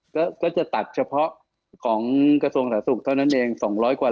ก็จะตัดเฉพาะของกระทรวงสาธารณสุขเท่านั้นเอง๒๐๐กว่า